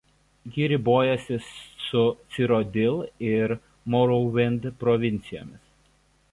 Ji ribojasi su "Cyrodiil" ir "Morrowind" provincijomis.